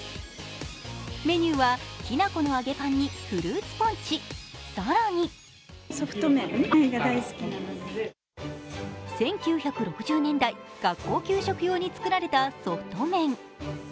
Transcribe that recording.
メニューはきな粉の揚げパンにフルーツポンチ、更に１９６０年代、学校給食用に作られたソフト麺。